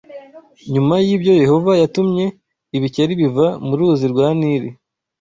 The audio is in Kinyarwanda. Nyuma y’ibyo Yehova yatumye ibikeri biva mu Ruzi rwa Nili